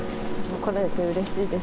来られてうれしいです。